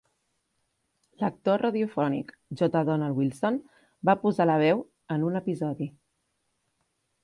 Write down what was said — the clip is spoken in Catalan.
L'actor radiofònic, J. Donald Wilson, va posar la veu en un episodi.